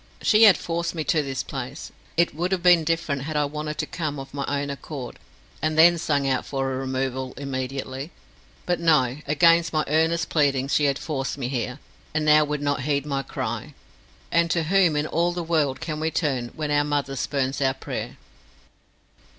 She had forced me to this place: it would have been different had I wanted to come of my own accord, and then sung out for a removal immediately; but no, against my earnest pleadings she had forced me here, and now would not heed my cry. And to whom in all the world can we turn when our mother spurns our prayer?